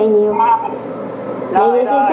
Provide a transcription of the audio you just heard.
cũng như bao người khác xa nhà